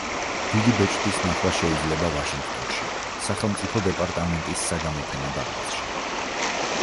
დიდი ბეჭდის ნახვა შეიძლება ვაშინგტონში, სახელმწიფო დეპარტამენტის საგამოფენო დარბაზში.